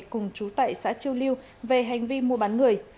cùng chú tại xã chiêu liêu về hành vi mua bán người